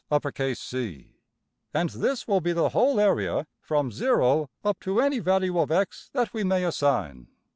png}% and this will be the whole area from~$0$ up to any value of~$x$ that we may assign.